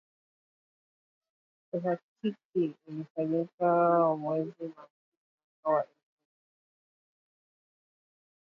Uhakiki ulifanyika mwezi Machi mwaka wa elfu mbili ishirini na mbili.